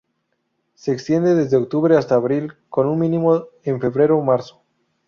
Se extiende desde octubre hasta abril, con un mínimo en febrero-marzo.